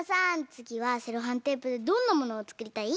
つぎはセロハンテープでどんなものをつくりたい？